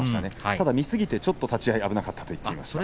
ただ、見すぎてちょっと立ち合い危なかったと言っていました。